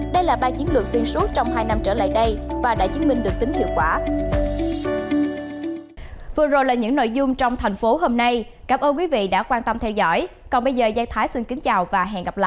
đây là ba chiến lược xuyên suốt trong hai năm trở lại đây và đã chứng minh được tính hiệu quả